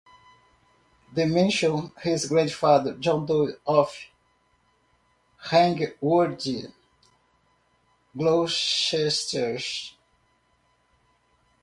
He mentions his grandfather John Dole of Rangeworthy, Gloucestershire.